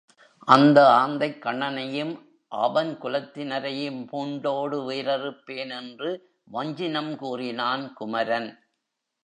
அந்த ஆந்தைக்கண்ணனையும் அவன் குலத்தினரையும் பூண்டோடு வேரறுப்பேன் என்று வஞ்சினம் கூறினான் குமரன்.